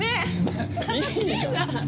いいじゃん。